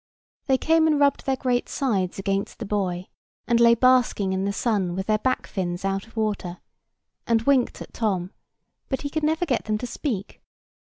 They came and rubbed their great sides against the buoy, and lay basking in the sun with their backfins out of water; and winked at Tom: but he never could get them to speak.